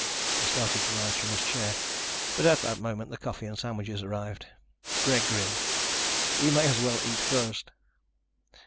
He started to rise from his chair, but at that moment the coffee and sandwiches arrived. Greg grinned. "We may as well eat first."